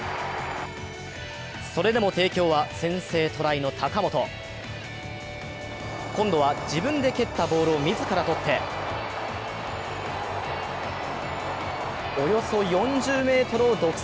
それでも帝京は、先制トライの高本今度は自分で蹴ったボールを自らとっておよそ４０ｍを独走。